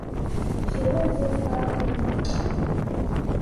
• Shirin so‘z qalbni yumshatadi.